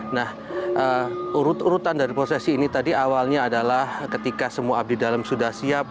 nah urut urutan dari prosesi ini tadi awalnya adalah ketika semua abdi dalam sudah siap